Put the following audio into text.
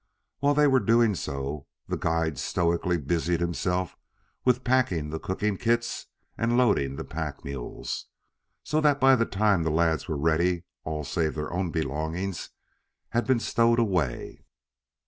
While they were doing so the guide stoically busied himself with packing the cooking kits and loading the pack mules, so that by the time the lads were ready all save their own belongings had been stowed away.